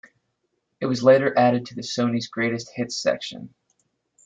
It was later added to the Sony's Greatest Hits section.